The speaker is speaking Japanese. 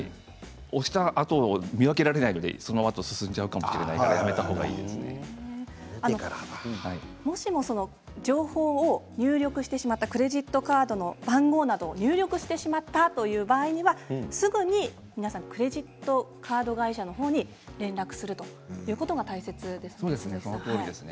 押したあと見分けられないので情報を入力してしまったクレジットカードの番号などを入力してしまったという場合にはすぐに皆さんクレジットカード会社の方に連絡をするということが大切なんですね。